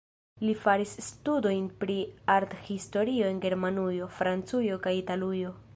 Li faris studojn pri arthistorio en Germanujo, Francujo kaj Italujo.